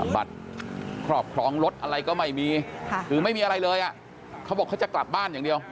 บัตรครอบครองรถอะไรก็ไม่มีหรือไม่มีอะไรเลยเขาบอกเขาจะกลับบ้านอย่างเดียว